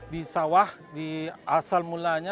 di sawah di asal mulanya